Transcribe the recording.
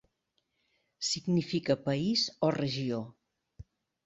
Significa 'país' o 'regió'.